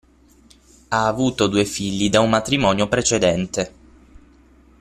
Ha avuto due figli da un matrimonio precedente.